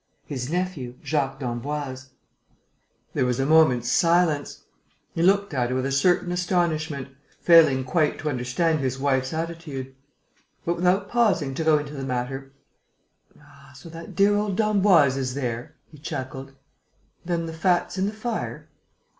"His nephew, Jacques d'Emboise." There was a moment's silence. He looked at her with a certain astonishment, failing quite to understand his wife's attitude. But, without pausing to go into the matter: "Ah, so that dear old d'Emboise is there?" he chuckled. "Then the fat's in the fire?